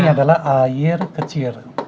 ini adalah air kecil